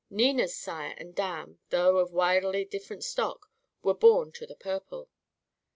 Nina's sire and dam though of widely different stock were born to the purple.